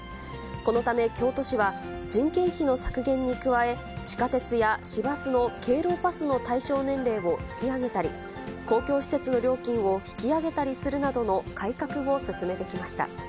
このため京都市は、人件費の削減に加え、地下鉄や市バスの敬老パスの対象年齢を引き上げたり、公共施設の料金を引き上げたりするなどの改革を進めてきました。